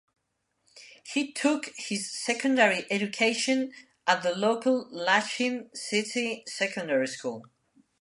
He took his secondary education at the local Lachin city secondary school.